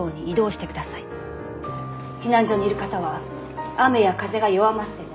「避難所にいる方は雨や風が弱まっても」。